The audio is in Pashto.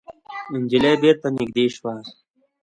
نجلۍ بېرته نږدې شوه.